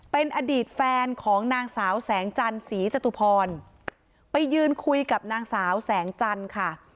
เป็นอดีตแฟนของนางสาวแสงจันศรีจตุพรไปยืนคุยกับนางสาวแสงจันทร์ค่ะ